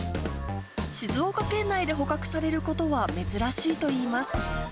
静岡県内で捕獲されることは珍しいといいます。